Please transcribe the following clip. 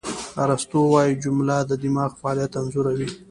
ارسطو وایي، جمله د دماغ فعالیت انځوروي.